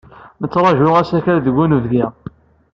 Nettṛaju asakal deg unbeddi.